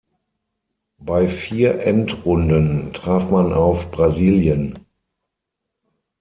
Bei vier Endrunden traf man auf Brasilien.